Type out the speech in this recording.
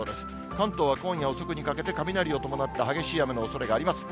関東は今夜遅くにかけて、雷を伴った激しい雨のおそれがあります。